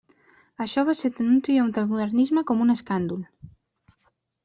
Això va ser tant un triomf del modernisme com un escàndol.